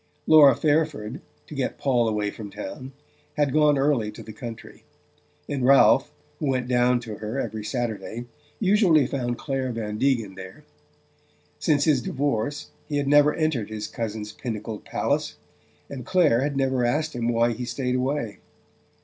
Laura Fairford, to get Paul away from town, had gone early to the country; and Ralph, who went down to her every Saturday, usually found Clare Van Degen there. Since his divorce he had never entered his cousin's pinnacled palace; and Clare had never asked him why he stayed away.